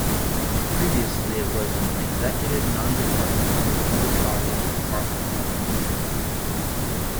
Previously it was an executive non-departmental public body of the Department of Health.